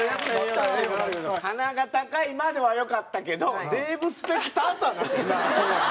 「鼻が高い」まではよかったけど「デーブ・スペクター？」とはなったけどね。